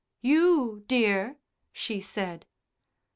"You, dear?" she said.